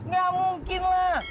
gak mungkin lah